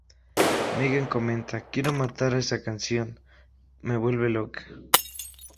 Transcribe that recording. Megan comenta: ""Quiero matar a esa canción, me vuelve loca!